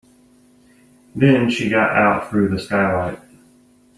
Then she got out through the skylight.